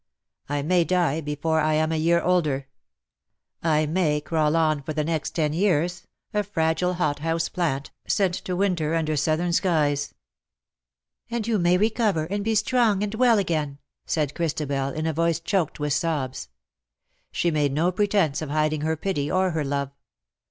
I may die before I am a year older; I may crawl on for the next ten years — a fragile hot house plant, sent to winter under southern skies. ^^ "And you may recover, and be strong and well 123 again \" cried Christabel^ in a voice choked with sobs. She made no pretence of hiding her pity or her love.